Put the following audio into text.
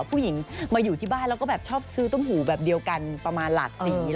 ผู้หญิงมาอยู่ที่บ้านแล้วก็แบบชอบซื้อต้มหูแบบเดียวกันประมาณหลากสี